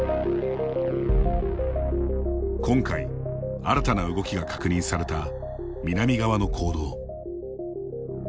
今回、新たな動きが確認された南側の坑道。